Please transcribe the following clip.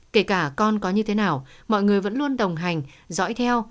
kể cả con có như thế nào mọi người vẫn luôn đồng hành dõi theo